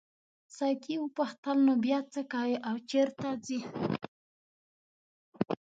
ساقي وپوښتل نو بیا څه کوې او چیرته ځې.